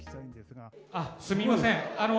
すみません、あの！